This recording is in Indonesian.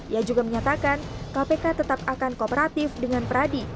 ia juga menyatakan kpk tetap akan kooperatif dengan pradi